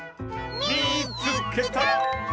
「みいつけた！」。